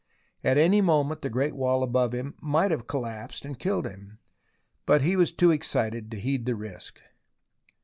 At any moment the great wall above him might have collapsed and killed him, but he was too excited to heed the risk.